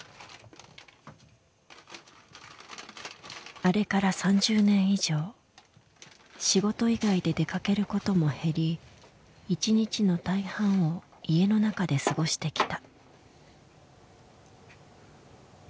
あれから３０年以上仕事以外で出かけることも減り１日の大半を家の中で過ごしてきた。